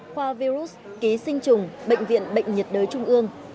covavirus ký sinh trùng bệnh viện bệnh nhiệt đới trung ương